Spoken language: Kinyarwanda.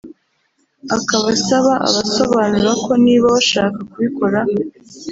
akaba asaba abasobanura ko niba bashaka kubikora